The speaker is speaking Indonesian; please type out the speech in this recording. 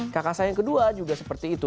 kakak saya yang kedua juga seperti itu